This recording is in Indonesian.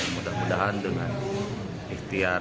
mudah mudahan dengan ikhtiar